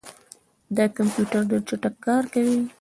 دا کمپیوټر ډېر چټک کار کوي.